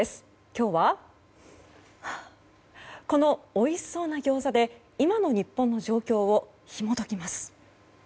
今日はこのおいしそうなギョーザで今の日本の状況をひも解きます。